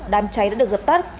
đám cháy đã được dập tắt